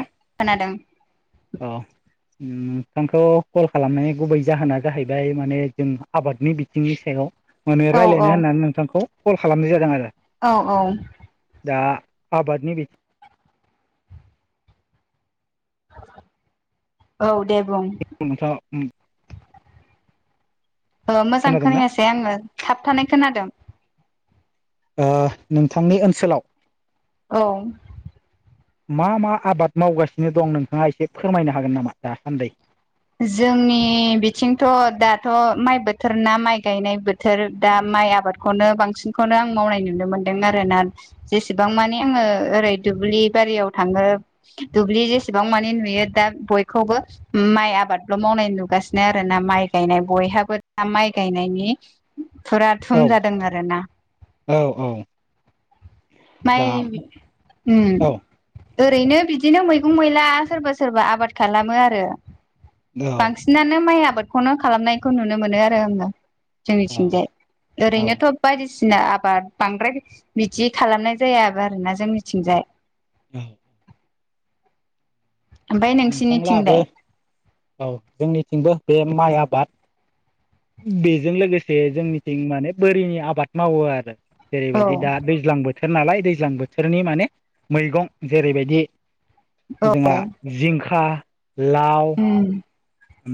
खोनादों ओम नोंथांखौ कल खालामनाय गुबै जाहोना जाहैबाय माने जों आबादनि बिथिंनि सायाव माने औ औ रायज्लायनो होननानै नोंथांखौ कल खालामनाय जादों आरो औ औ। दा आबादनि बिथि औ दे। बुं [unintelligible] मोजां खोनादोंना खोनायासै आङो थाबथ खोनादों। ओ नोंथांनि ओनसोलाव औ। मा मा आबाद मावगासिनो दं नोंथाङा एसे फोरमायनो हागोन नामा दासान्दै? जोंनि बिथिंथ' दाथ' माइ बोथोर ना माइ गायनाय बोथोर दा माइ आबादखौनो बांसिनखौनो आं मावनाय नुनो मोनदों आरोना जेसेबां मानि आङो ओरै दुब्लि बारियाव थाङो दुब्लि जेसेबां मानि नुयो दा बयखौबो माइ आबादल' मावनाय नुगासिनो आरो ना माइ गायनाय बयहाबो दा माइ गायनायनि फुरा धुम औ जादों आरोना। औ औ माइ दा ओम औ ओरैनो बिदिनो मैगं मैला सोरबा सोरबा आबाद खालामो आरो औ बांसिनानो माइ आबादखौनो खालामनायखौ नुनो मोनो आरो आङो औ जोंनिथिंजाय ओरैनोथ' औ बायदि बायदिसिना आबाद बांद्राय मिथि खालामनाय जाया आरोना जों मिथिंजाय औ ओमफ्राय नोंथांलाबो नोंसिनिथिंलाय औ जोंनिथिंबो बे माइ आबाद बेजों लोगोसे जोंनिथिं माने बोरिनि आबाद मावो आरो औ जेरैबायदि दा दैज्लां बोथोर नालाय दैज्लां बोथोरनि माने मैगं जेरैबायदि औ जोंहा जिंखा लाव उम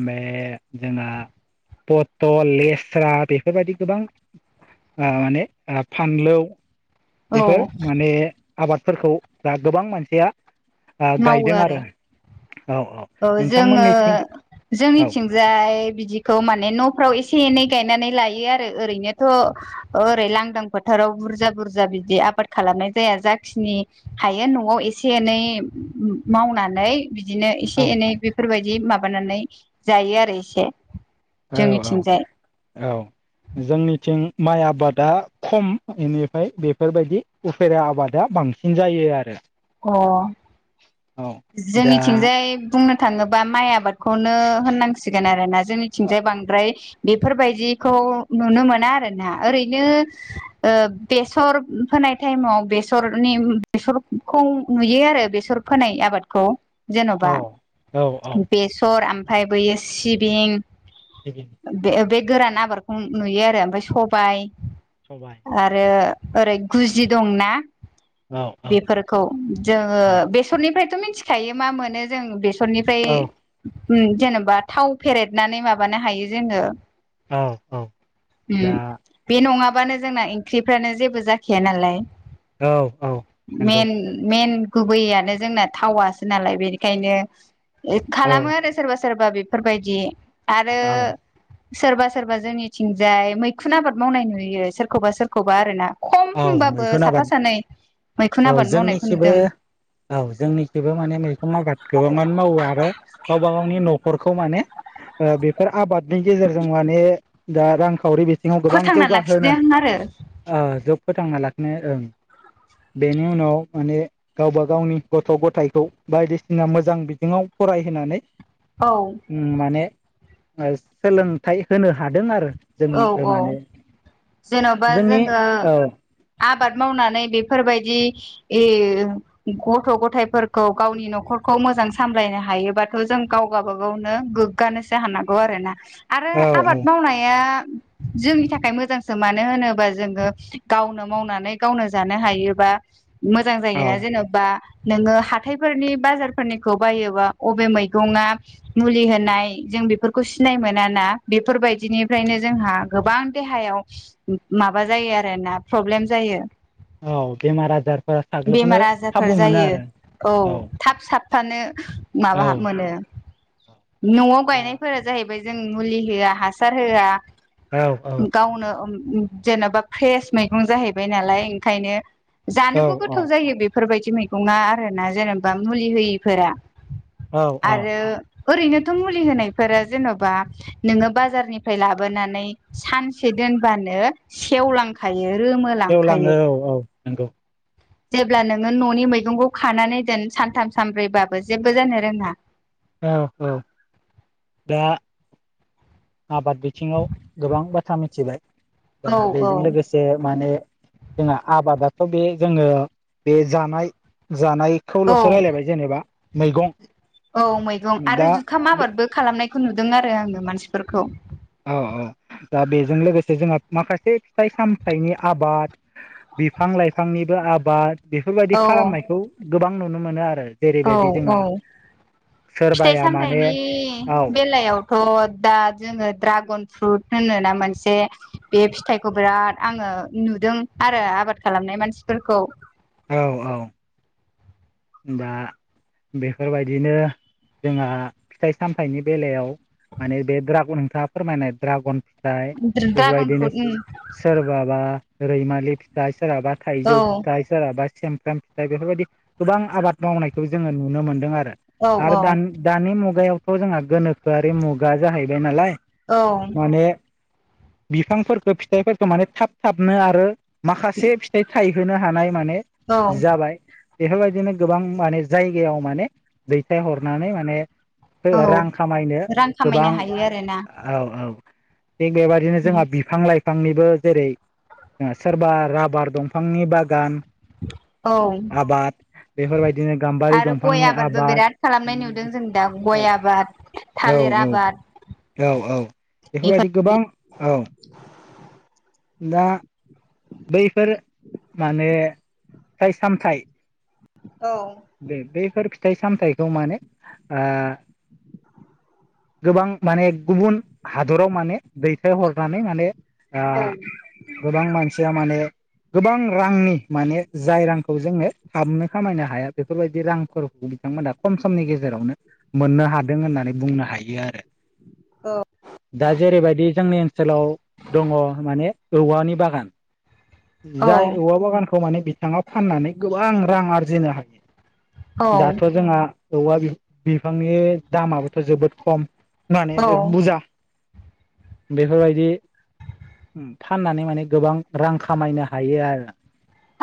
मे ओमफाय जोंना पथल लेस्रा बेफोरबायदि गोबां माने फानलौ औ बेफोर माने आबादफोरखौ दा गोबां मानसिया गायदों आरो औ औ नोंथांमोननिसिम जोंनिथिंजाय बिदिखौ माने न'फ्राव एसे एनै गायनानै लायो आरो ओरैनोथ' ओरै लांदां फोथाराव बुरजा बुरजा बिदि आबाद खालामनाय जाया जाखिनि हायो न'आव एसे एनै मावनानै बिदिनो एसे औ एनै बेफोरबायदि माबा माबानानै जायो आरो इसे। औ औ औ जोंनिथिं माइ आबादा खम बेनिफ्राय बेफोरबायदि उफेरा आबादा बांसिन जायो आरो। अ औ दा जोंनिथिंजाय बुंनो थाङोबा माइ आबाद खौनो होननांसिगोन आरो ना जोंनिथिंजाय बांद्राय बेफोरबायदिखौ नुनो मोना आरो ना ओरैनो बेसरफोर फोनाय टाइमाव बेसरनि बेसरखौ नुयो आरो बेसर फोनाय आबाद खौ जेन'बा औ औ औ बेसर ओमफ्राय बैयो सिबिं सिबिं बे बे गोरान आबादखौ नुयो आरो ओमफ्राय सबाय सबाय आरो औ ओरै गुजि दंना औ बेफोरखौ जोङो औ बेसरनिफ्रायथ' मिथिखायो मा मोनो जों बे सरनिफ्राय औ जेनेबा थाव फेरेदनानै माबानो हायो जोङो। औ औ दा मानो जोंना ओंख्रिफ्रानो जेबो जाखया नालाय औ औ नंगौ गुबैयैयानो जोंना थावासो नालाय बेनिखायनो औ खालामो आरो सोरबा। सोरबा बेफोरबायदि आरो औ सोरबा सोरबा जोंनिथिंजाय मैखुन आबाद मावनाय नुयो। सोरखौबा सोरखौबा आरो ना खम औ होनबाबो मैखुन साफा आबाद सानै औ मैखुन आबाद मावनायखौ नुदों। बेबो माने मैगं आबाद गोबां मानो मावो आरो गावबा गावनि न'खरखौ माने बेफोर आबादनि गेजेरजों माने दा रांखावरि सिंङाव गोबां फोथांना जौगाहोनो लाखिदों आरो ओ जोब फोथांना लाखिनो ओं बेनि उनाव माने गावबा गावनि गथ' गथायखौ बायदिसिना मोजां बिथिङाव फरायहोननानै औ उम माने सोलोंथाइ होनो हादों आरो औ जोंनि औ माने जेन'बा जोंनि जोङो औ आबाद मावनानै बेफोरबायदि गथ' गथ थायफोरखौ गावनि न'खरखौ मोजां सामलायनो हायो। बाथ' जों गाव गावाब गावनो गोग्गानोसो हानांगौ आरोना आरो औ आबाद मावनाया [inaudible] जोंनि थाखाय मोजांसो मानो होनोबा जोङो गावनो मावनानै गावनो जानो हायोबा। मोजां औ जायोना जेन'बा नोङो हाथायफोरनि बाजारफोरनिखौ बायोबा अबे मैगंआ मुलि होनाय जों उम बेफोरखौ सिनाय मोना ना बेफोरबायदिनिफ्रायनो जोंहा गोबां देहायाव माबा जायो आरोना प्रब्लेम जायो। औ बेमार आजारफोरा साग्लोबनो बेमार आजारफोर खाबु मोनो जायो आरो औ थाब साब बिफानो औ माबा मोनो न'आव दा गायनायफोरा जाहैबाय जों मुलि होआ हासार होआ औ औ गावनो जेन'बा फ्रेस मैगं जाहैबाय नालाय ओंखायनो औ जानोबो गोथाव जायो बेफोरबायदि मैगङा आरो ना जेनेबा मुलि होयिफोरा औ औ आरो ओरैनोथ' मुलि होनायफोरा जेन'बा नोङो बाजारनिफ्राय लाबो सानसे दोनबानो सेवलांखायो गेवलाङो रोमोलांखायो। औ औ नंगौ जेब्ला नोङो न'नि मैगंखौ खानानै दोन सानथाम सानब्रैबाबो जेबो जानो रोङा औ औ दा आबाद बिथिङाव गोबां बाथ्रा मिथिबाय दा औ औ बेजों लोगोसे माने जोंना आबादाथ' बे जोङो बे जानाय औ जानायखौल'सो राय्लायबाय जेनेबा मैगं औ मैगं दा आरो जुखाम बे आबादबो खालामनायखौ नुदों आरो आङो मानसिफोरखौ औ औ दा बेजों लोगोसे जोंहा माखासे फिथाइ सामथाइनि आबाद बिफां लाइफांनिबो आबाद बेफोरबायदि औ खालामनायखौ गोबां नुनो मोनो आरो। औ जेरैबायदि औ जोंहा फिथाइ सोरबाया माने सामथायाइनि औ बेलायाव थ' दा जोङो दड्रागन फ्रुट होनोना मोनसे बे फिथाइखौ बिराद आङो ओ नुदों आरो आबाद खालामनाय मानसिफोरखौ औ औ। दा बेफोरबायदिनो जोंहा फिथाइ सामथायाइनि बेलायाव माने बे द्रागन नोंथाङा फोरमायनाय द्रागन फिथ ड्रागन बेफोरबायदिनो फ्रुट सोरबाबा रैमालि फिथाय सोरहाबा औ थाइजौ फिथाइ सोरहाबा सामफ्राम फिथाइ बेफोरबायदि गोबां आबाद मावनायखौ जोङो नुनो मोनदों आरो औ आरो औ द दानि मुगायाव खौ जोंहा गोनोखोआरि मुगा जाहैबाय नालाय माने औ बिफांफोरखौ फिथाइफोरखौ माने थाब थाबनो आरो माखासे फिथाइ थायहोनो हानाय माने औ जाबाय बेफोरबायदिनो गोबां माने जायगायाव माने दैथायहरनानै माने औ रां खामायनो रां गोबां खामायनो हायो आरोना औ औ थिग बेबायदिनो जोंहा बिफां लाइफां बिफांनिबो जेरै सोरबा राबार दंफांनि बागान औ। आबाद बेफोरबायदिनो गाम्बारि आरो गय दंफांनि आबादबो आबाद बिराद खालामनाय नुदों जों दा गय आबाद औ थालिर आबाद औ औ बेफोर बेफोरबायदि गोबां औ [inaudible] दा बैफोर माने फिथाइ सामथाइ औ दे बफोर फिथाइ सामथायाइखौ माने ओ गोबां माने गुबुन हादराव माने दैथायहरनानै माने औ। से माने गोबां रांनि माने जाय रांखौ जोङो हाबनो खामायनो हाया बेफोरबायदि रांफोरखौ बिथांमोना खम समनि गेजेरावनो मोननो हादों होननानै बुंनो हायो आरो। दा जेरैबायदि जोंनि ओनसोलाव दङ माने औवानि बागान जाय औ औवा बागानखौ माने बिथाङा फाननानै गोबां रां आरजिनो हायो। दाथ' जोंहा औवा बिफांनि दामाबोथ' जोबोद खम माने औ बुजा बेफोरबायदि फाननानै माने गोबां रां खामायनो हायो आरो।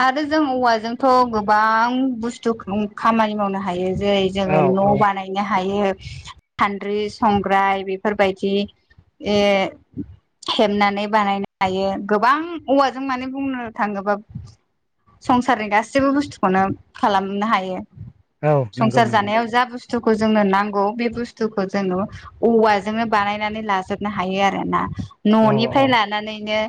आरो जों औवाजोंथ' गोबां बुस्थु खामानि मावनो हायो। जेरै औ जोङो न' औ बानायनो हायो। सान्द्रि, संग्राय बेफोरबायदि ए हेबनानै बानायनो हायो गोबां औवाजों माने बुंनो थाङोबा संसारनि गासैबो बुस्थुखौनो खालामनो हायो। औ नंगौ संसार नंगौ जानायाव जा बुस थुखौ जोंनो नांगौ बे बुस्थुखौ जोङो औवाजोंनो बानायनानै लाजोबनो हायो आरोना औ न'निफ्राय लानानैनो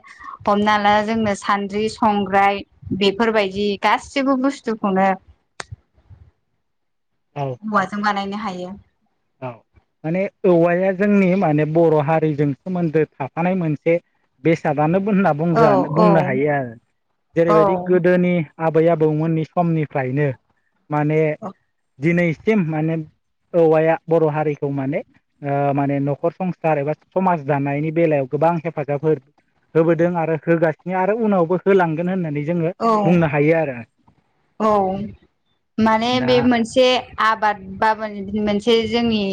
हमना ला जोंनो सानद्रि, संग्राय बेफोरबायदि गाससिबो बुस्थुखौनो औ औवाजों बानायनो हायो औ माने औवाया जोंनि माने बर' हारिजों सोमोन्दो थाफानाय मोनसे बेसादानो होनना बुं औ बुंनो हायो आरो औ जेरैबायदि गोदोनि आबै आबौमोननि समनिफ्रायनो माने दिनै सिम माने औवाया बर' हारिखौ माने ओ माने न'खर संसार एबा समाज दानायनि बेलायाव गोबां हेफाजाब होबोदों आरो होगासिनो आरो उनावबो होलांगोन होननानै जोङो औ बुंनो हायो आरो। औ माने दा बे मोनसे आबाद [unintelligible] मोनसे जोंनि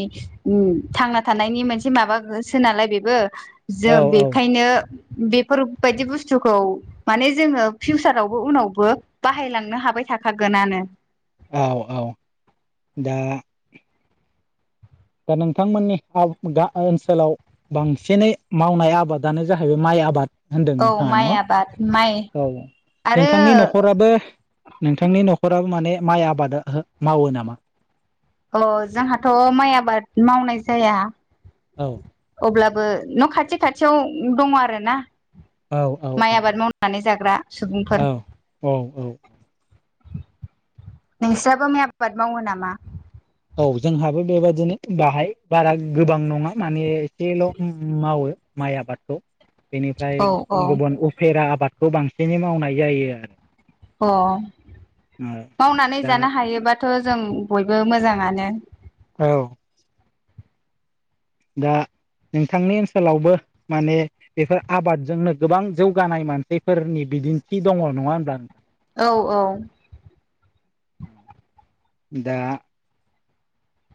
थांना थानायनि मोनसे माबा [unintelligible] नालाय बेबो औ जों औ बेखायनो बेफोरबायदि बुस्थुखौ माने जोङो फिउसारावबो उनावबो बाहायलांनो हा जाबाय थाखागोनानो। औ औ दा दा नोंथांमोननि ओनसोलाव बांसिनै मावनाय आबादानो जाहैबाय माइ आबाद होनदों नोंथाङा न' माइ औ आबाद माइ औ आरो नोंथांनि न'खराबो नोंथांनि न'खराबो माने माइ आबादा मावो नामा? अ जोंहाथ' माइ आबाद मावनाय जाया औ अब्लाबो न' खाथि खाथियाव दङ आरोना औ औ माइ औ आबाद मावनानै जाग [unintelligible] सुबुंफोर औ औ औ नोंस्राबो माइ आबाद मावो नामा? औ जोंहाबो बेबादिनो बाहाय बारा गोबां नङा माने एसेल' मावो माइ आबादखौ बेनिफ्राय औ औ गुबुन उफेरा आबाद खौ बांसिनै मावनाय जायो आरो। अ मावनानै दा जानो हायोबाथ' जों बयबो मोजाङानो औ दा नोंथांनि ओनसोलावबो माने बेफोर आबादजोंनो गोबां जौगानाय मानसिफोरनि बिदिन्थि दङ नङा होनब्लाा नों औ औ दा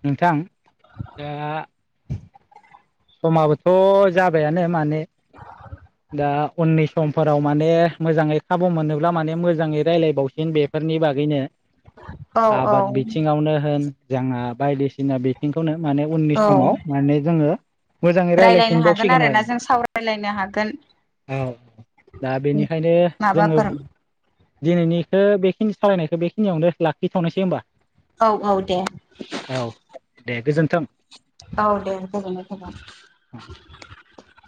नोंथां दा समाबोथ' जाबायानो माने आ उननि समफोराव माने मोजाङै खाबु मोनोब्ला माने मोजाङै रायज्लायबावसिन बेफोरनि बागैनो औ औ आबाद बिथिङावनो होन जोंहा बायदिसिना बिथिंखौनो माने उननि औ समाव माने जोङो मोजाङै रायलायनो हागोन रायलायफिनबावसिगोन आरोना आरो जों सावरायलायनो हागोन। औ दा बेनिखायनो जोङो माबाफोर दिनैनिखौ बेखिनि सावरायनायखो बेखिनियावनो लाखिथ'नोसै होमबा औ औ दे औ [inaudible] औ दे गोजोननाय थाबाय